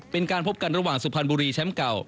เป็นการพบกันระหว่างสุพรรณบุรีแชมป์เก่า